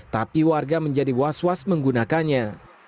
tapi warga menjadi was was menggunakannya